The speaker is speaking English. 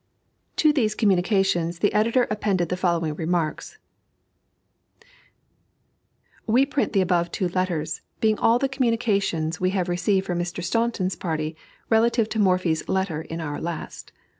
To these communications the editor appended the following remarks: [We print the above two letters, being all the communications we have received from Mr. Staunton's party relative to Morphy's letter in our last.